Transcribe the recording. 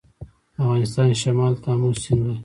د افغانستان شمال ته امو سیند دی